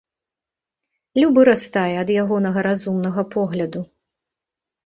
Любы растае ад ягонага разумнага погляду!